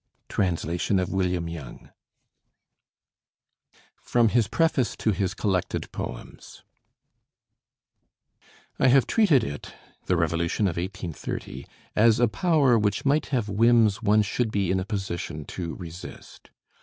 Translation of William Young. FROM HIS PREFACE TO HIS COLLECTED POEMS I have treated it [the revolution of 1830] as a power which might have whims one should be in a position to resist.